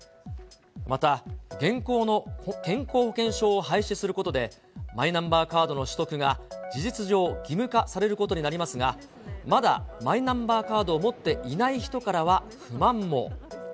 また現行の健康保険証を廃止することで、マイナンバーカードの取得が事実上、義務化されることになりますが、まだマイナンバーカードを持っていない人からは不満も。